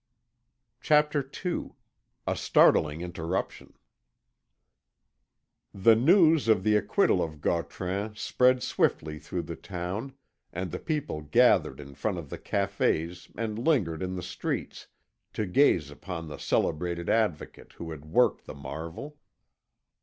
CHAPTER II A STARTLING INTERRUPTION The news of the acquittal of Gautran spread swiftly through the town, and the people gathered in front of the cafés and lingered in the streets, to gaze upon the celebrated Advocate who had worked the marvel.